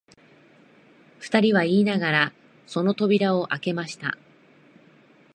二人は言いながら、その扉をあけました